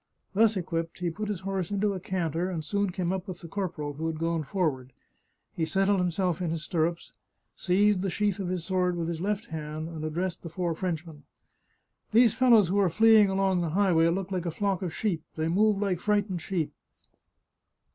Thus equipped, he put his horse into a canter, and soon came up with the corporal, who had gone forward; he settled himself in his stirrups, seized the sheath of his sword with his left hand, and addressed the four French men. " These fellows who are fleeing along the highway look like a flock of sheep ; they move like frightened sheep